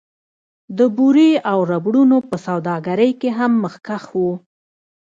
د بورې او ربړونو په سوداګرۍ کې هم مخکښ و